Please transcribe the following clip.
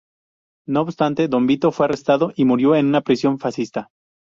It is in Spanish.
No obstante, Don Vito fue arrestado y murió en una prisión fascista.